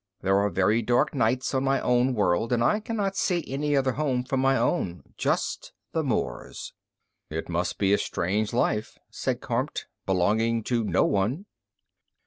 There are very dark nights on my own world, and I cannot see any other home from my own just the moors." "It must be a strange life," said Kormt. "Belonging to no one."